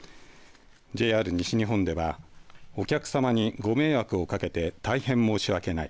ＪＲ西日本ではお客様にご迷惑をかけて大変申し訳ない。